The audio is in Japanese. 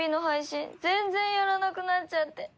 全然やらなくなっちゃって。